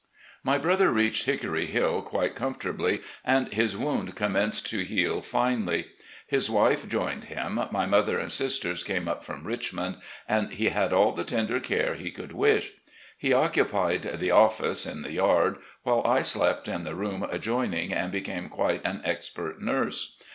..." My brother reached " Hickory Hill" quite comfortably, and his wound commenced to heal finely. His wife joined him, my mother and sisters came up from Rich mond, and he had aU the tender care he could wish. He occupied "the oflfice" in the yard, while I slept in the room adjoining and became quite an expert nurse.